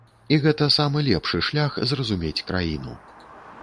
І гэта самы лепшы шлях зразумець краіну.